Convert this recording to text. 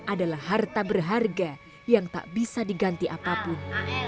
adalah harta berharga yang tak bisa diganti apapun